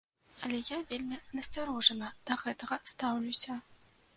Але я вельмі насцярожана да гэта стаўлюся.